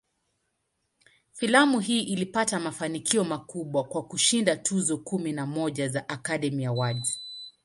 Filamu hii ilipata mafanikio makubwa, kwa kushinda tuzo kumi na moja za "Academy Awards".